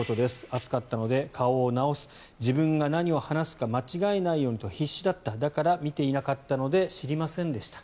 暑かったので顔を直す自分が何を話すか間違えないようにと必死だっただから見ていなかったので知りませんでした。